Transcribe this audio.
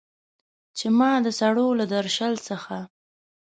چې ما د سړو له درشل څخه